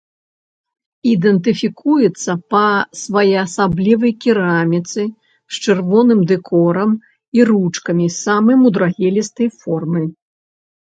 Ідэнтыфікуецца па своеасаблівай кераміцы з чырвоным дэкорам і ручкамі самай мудрагелістай формы.